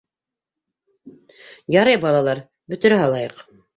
— Ярай, балалар, бөтөрә һалайыҡ.